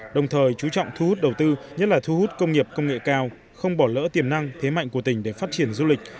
đồng thời chú trọng thu hút đầu tư nhất là thu hút công nghiệp công nghệ cao không bỏ lỡ tiềm năng thế mạnh của tỉnh để phát triển du lịch